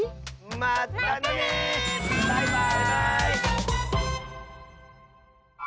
まったねバイバーイ！